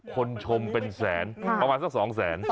คนชมเป็นแสนประมาณสัก๒แสน